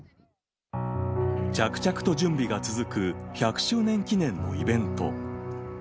着々と準備が続く、１００周年記念のイベント。